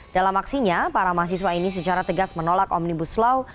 dalam aksinya para mahasiswa ini secara tegas menolak omnibus law